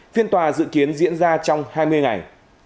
phiên tòa dự kiến diễn ra trong hai mươi ngày